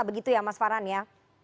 begitu ya mas farhan ya